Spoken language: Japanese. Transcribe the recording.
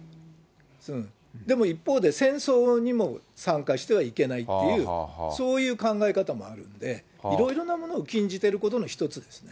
でも一方で、戦争にも参加してはいけないっていう、そういう考え方もあるんで、いろいろなものを禁じてることの一つですね。